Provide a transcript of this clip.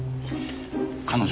彼女